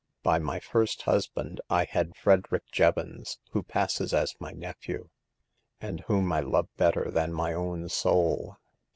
By my first husband I had Frederick Jevons, who passes as my nephew, and whom I love better than my own soul.